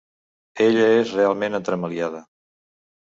Ella és realment entremaliada.